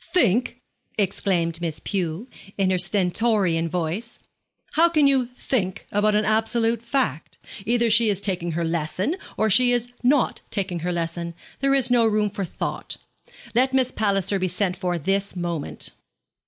'Think?' exclaimed Miss Pew, in her stentorian voice. 'How can you think about an absolute fact? Either she is taking her lesson, or she is not taking her lesson. There is no room for thought. Let Miss Palliser be sent for this moment.'